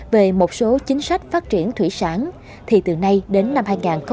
về một số chính sách phát triển thủy sản thì từ nay đến năm hai nghìn một mươi sáu